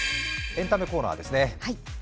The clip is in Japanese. エンタメコーナーです。